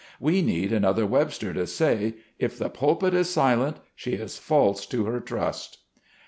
We need another Webster to say, " If the pulpit is silent she is false to her trust."